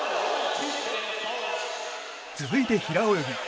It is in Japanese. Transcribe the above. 続いて、平泳ぎ。